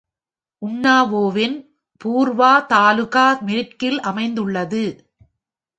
உன்னாவோவின் பூர்வா தாலுகா மேற்கில் அமைந்துள்ளது.